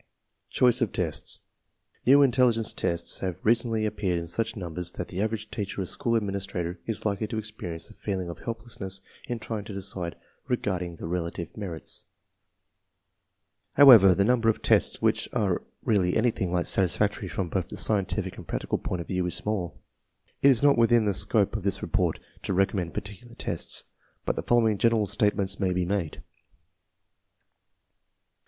Choice of tests. New intelligence tests have recently appeared in such numbers that the average teacher or school administrator is likely to experience a feeling of helplessness in trying to decide regarding their relative merits. However, the number of tests which are really anything like satisfactory from both the scientific and practical point of view is small. It is not within the scope of this report to recommend particular tests, but the following general statements may be made: 1.